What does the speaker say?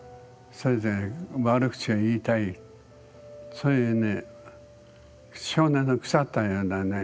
そういうね